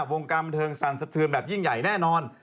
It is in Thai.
วงการบันเทิงสั่นสะเทือนแบบยิ่งใหญ่แน่นอน